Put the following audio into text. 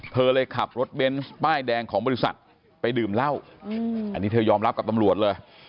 เธอเลยขับรถเบนส์ป้ายแดงของบริษัทไปดื่มเหล้าอันนี้เธอยอมรับกับตำรวจเลย